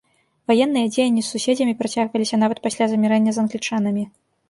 Ваенныя дзеянні з суседзямі працягваліся нават пасля замірэння з англічанамі.